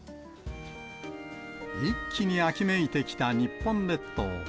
一気に秋めいてきた日本列島。